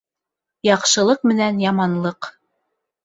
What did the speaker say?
ЯҠШЫЛЫҠ МЕНӘН ЯМАНЛЫҠ